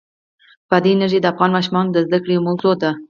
بادي انرژي د افغان ماشومانو د زده کړې یوه موضوع ده.